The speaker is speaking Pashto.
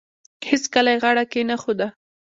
هیڅکله یې غاړه کښېنښوده.